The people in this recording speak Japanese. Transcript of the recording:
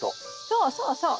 そうそうそう。